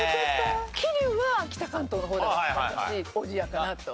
桐生は北関東の方だったし小千谷かなと。